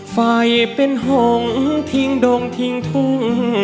ไฟเป็นหงทิ้งดงทิ้งทุ่ง